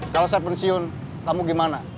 kalau saya pensiun kamu gimana